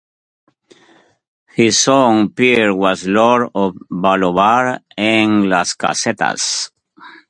His son, Pere, was lord of Ballobar and Las Casetas.